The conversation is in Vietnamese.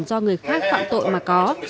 do người khác phạm tội mà có